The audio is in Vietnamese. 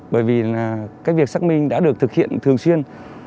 bởi vì các việc xác minh đã được thực hiện thường xuyên